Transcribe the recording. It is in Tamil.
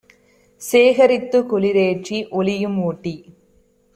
சேகரித்துக் குளிரேற்றி ஒளியும் ஊட்டி